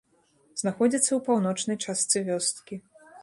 Знаходзіцца ў паўночнай частцы вёскі.